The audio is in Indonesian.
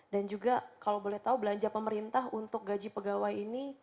dan juga kalau boleh tahu belanja pemerintah untuk gaji pegawai ini